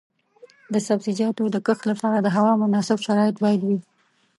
د سبزیجاتو د کښت لپاره د هوا مناسب شرایط باید وي.